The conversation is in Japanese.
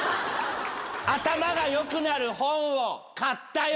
頭が良くなる本を買ったよ。